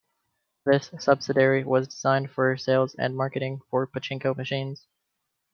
This subsidiary was designed for sales and marketing for Pachinko machines.